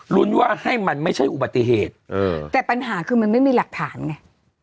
รุ้นว่าให้มันไม่ใช่อุบัติเหตุแต่ปัญหาคือมันไม่มีหลักฐานไง